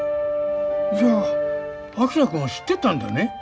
じゃあ昭君は知ってたんだね